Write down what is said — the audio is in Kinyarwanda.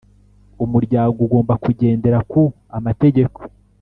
umuryango ugomba kugendera ku amategeko